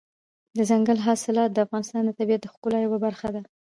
دځنګل حاصلات د افغانستان د طبیعت د ښکلا یوه برخه ده.